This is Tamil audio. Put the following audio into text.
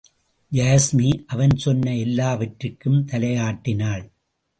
யாஸ்மி அவன் சொன்ன எல்லாவற்றிற்கும் தலையாட்டினாள்.